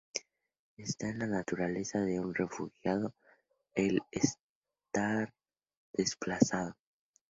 Está en la naturaleza de un refugiado el estar desplazado.